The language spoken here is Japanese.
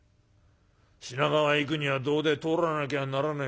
品川へ行くにはどうで通らなきゃならねえ